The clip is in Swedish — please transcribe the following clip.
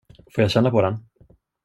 Får jag känna på den?